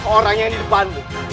orang yang di depanmu